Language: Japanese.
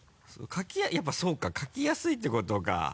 やっぱそうか描きやすいってことか。